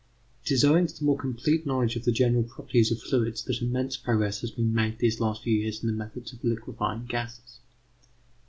It is owing to the more complete knowledge of the general properties of fluids that immense progress has been made these last few years in the methods of liquefying gases.